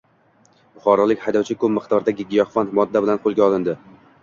Buxorolik haydovchi ko‘p miqdordagi giyohvand modda bilan qo‘lga olindi